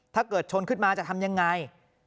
ถ้าเกิดชนขึ้นมาจะทำยังไง